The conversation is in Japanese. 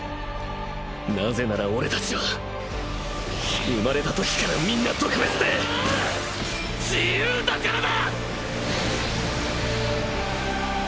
なぜならオレたちは生まれた時からみんな特別で自由だからだ！！